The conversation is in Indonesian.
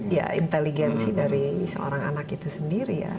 ya inteligensi dari seorang anak itu sendiri ya